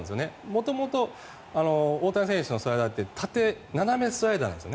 元々、大谷選手のスライダーって斜めスライダーなんです。